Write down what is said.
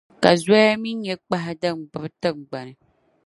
Ka zoya mi nyɛ kpahi din gbibi tiŋgbani.